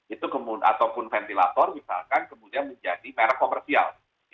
itu kemudian ataupun ventilator misalkan kemudian menjadi merk komersial